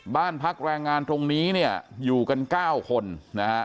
บ้านพักแรงงานตรงนี้เนี่ยอยู่กัน๙คนนะฮะ